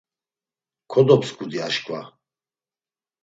Kodopsǩudi aşǩva.